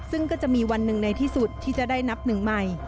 ซึ่งก็จะมีวันหนึ่งในที่สุดที่จะได้นับหนึ่งใหม่